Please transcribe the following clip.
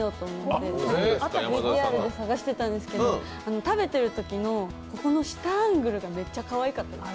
ＶＴＲで探していたんですけれども食べているときの、ここの下アングルがめっちゃかわいかったです。